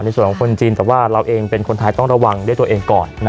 ในส่วนของคนจีนแต่ว่าเราเองเป็นคนไทยต้องระวังด้วยตัวเองก่อน